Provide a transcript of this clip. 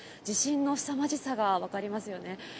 地震のすさまじさがわかりますよね。